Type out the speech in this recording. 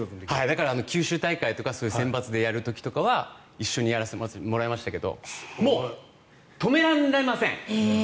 だから九州大会とか選抜でやる時は一緒にやらせてもらいましたが止められません。